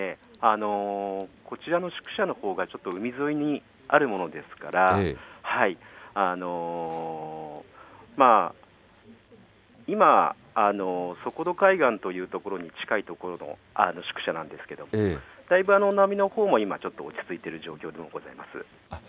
こちらの宿舎のほうがちょっと海沿いにあるものですから、今、そこど海岸という所に近い所の宿舎なんですけれども、だいぶ波のほうも今、ちょっと落ち着いているような状況でございます。